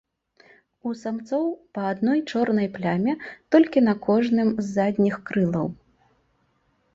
У самцоў па адной чорнай пляме толькі на кожным з задніх крылаў.